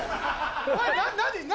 お前何？